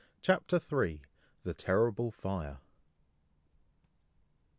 CHAPTER III. THE TERRIBLE FIRE.